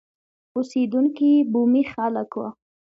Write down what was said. اوسېدونکي یې بومي خلک وو.